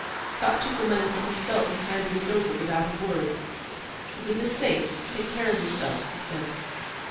Scott took the money from his belt, and handed it over without a word. 'For goodness sake take care of yourself,' he said.